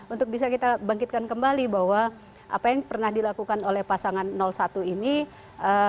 untuk bisa kita bangkitkan kembali bahwa apa yang pernah dilakukan oleh pasangan satu ini pada periode ke dua adalah untuk membangkitkan peningkatan sumber daya manusia